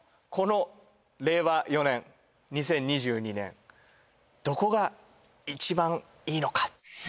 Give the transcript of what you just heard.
この令和４年２０２２年どこが一番いいのか？